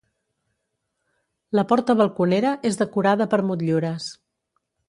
La porta balconera és decorada per motllures.